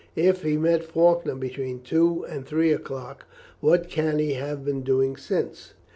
If he met Faulkner between two and three o'clock, what can he have been doing since?"